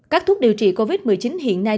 các thuốc điều trị covid một mươi chín hiện nay